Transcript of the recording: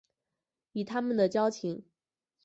以他们的交情